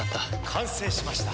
完成しました。